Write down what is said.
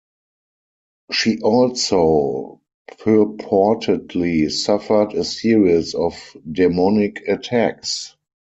She also purportedly suffered a series of demonic attacks.